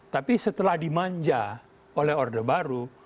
tapi setelah dimanja oleh orde baru